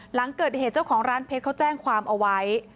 หลังเกิดเหตุเจ้าของร้านเพชรเขาแจ้งความเอาไว้